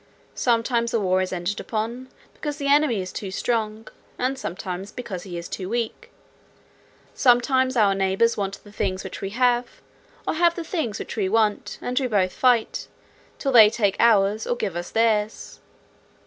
Sometimes a war is entered upon, because the enemy is too strong; and sometimes, because he is too weak. Sometimes our neighbours want the things which we have, or have the things which we want, and we both fight, till they take ours, or give us theirs.